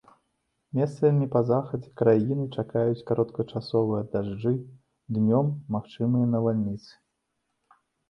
Месцамі па захадзе краіны чакаюцца кароткачасовыя дажджы, днём магчымыя навальніцы.